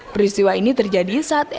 peristiwa ini terjadi saat diberi penyelamatkan